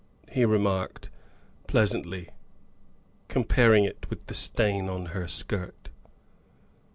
he remarked pleas antly, comparing it with the stain on her skirt.